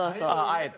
あえて？